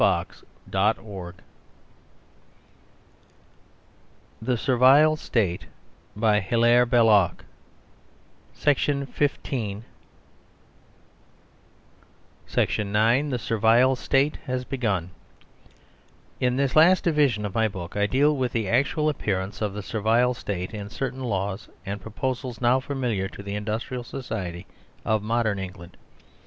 SECTION NINE THE SERVILE STATE HAS BEGUN SECTION THE NINTH THE SERVILE STATE HAS BEGUN IN THIS LAST DIVISION OF MY BOOK I deal with the actual appearance of the Servile State in certain laws and proposals now familiar to the Industrial Society of modern England.